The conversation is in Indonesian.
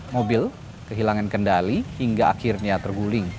mobil kehilangan kendali hingga akhirnya terguling